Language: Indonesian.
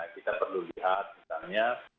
kita perlu lihat misalnya